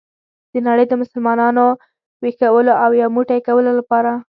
د نړۍ د مسلمانانو ویښولو او یو موټی کولو لپاره.